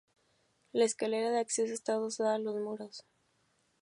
La escalera de acceso está adosada a los muros.